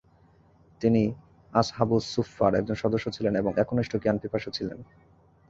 তিনি আসহাবুস সুফফার একজন সদস্য ছিলেন এবং একনিষ্ঠ জ্ঞান পিপাসু ছিলেন।